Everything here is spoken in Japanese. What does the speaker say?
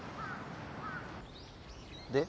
で？